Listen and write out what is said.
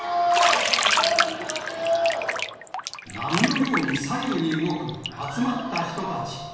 波のように左右に動く集まった人たち。